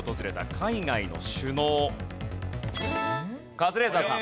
カズレーザーさん。